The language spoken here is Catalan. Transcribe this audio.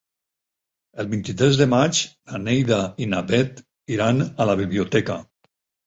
El vint-i-tres de maig na Neida i na Bet iran a la biblioteca.